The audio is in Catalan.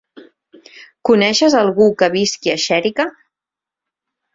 Coneixes algú que visqui a Xèrica?